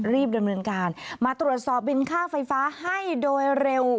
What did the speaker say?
รีบดำเนินการมาตรวจสอบบินค่าไฟฟ้าให้โดยเร็ว